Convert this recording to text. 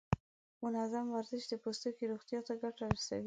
منظم ورزش د پوستکي روغتیا ته ګټه رسوي.